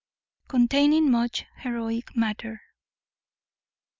_Containing much heroic matter.